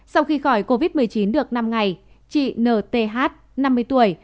sau khi khỏi covid một mươi chín được năm ngày chị nth năm mươi tuổi